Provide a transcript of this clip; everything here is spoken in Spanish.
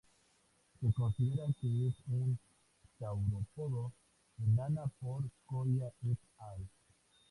Se considera que es un saurópodo enana por Coria et al.